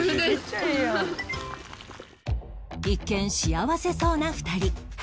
一見幸せそうな２人